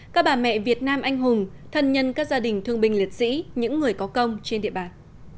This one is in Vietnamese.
các bà mẹ việt nam anh hùng thân nhân các gia đình thương binh liệt sĩ những người có công trên địa bàn